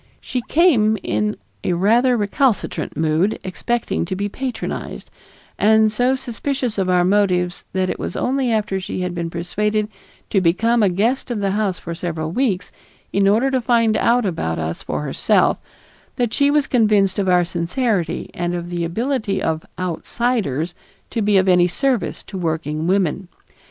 She came in rather a recalcitrant mood, expecting to be patronized, and so suspicious of our motives that it was only after she had been persuaded to become a guest of the house for several weeks in order to find out about us for herself, that she was convinced of our sincerity and of the ability of "outsiders" to be of any service to working women.